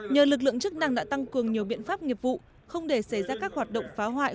nhờ lực lượng chức năng đã tăng cường nhiều biện pháp nghiệp vụ không để xảy ra các hoạt động phá hoại